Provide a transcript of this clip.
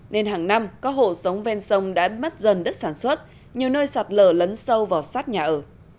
nên hàng năm các hộ sống ven sông đã mất dần đất sản xuất nhiều nơi sạt lở lấn sâu vào sát nhà ở